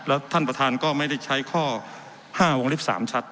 แล้วท่านประธานก็ไม่ได้ใช้ข้อ๕วงเล็บ๓ชัด